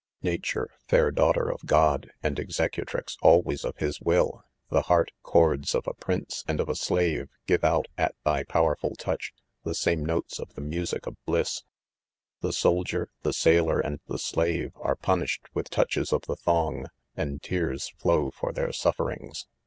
Nature, fair daughter of God, and ■executrix always of his will, the heart chords of a prince and of a slave, give out, at thy powr •erful touch, the same notes of the music of bliss. '\^' The soldier, the sailor and \h&\ slave, are punished with touches of the thong, and tears flow for their sufferings.